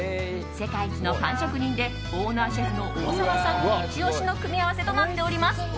世界一のパン職人でオーナーシェフの大澤さんがイチ押しの組み合わせとなっております。